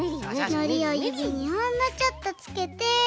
のりをゆびにほんのちょっとつけて。